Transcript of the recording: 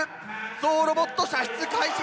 ゾウロボット射出開始。